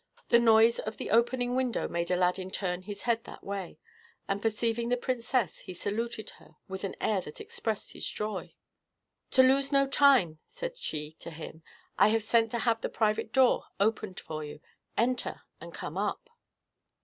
The noise of opening the window made Aladdin turn his head that way, and perceiving the princess, he saluted her with an air that expressed his joy. "To lose no time," said she to him, "I have sent to have the private door opened for you. Enter, and come up."